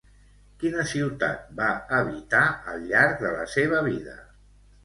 Quina ciutat va habitar al llarg de la seva vida?